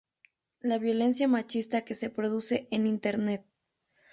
La violencia machista que se produce en internet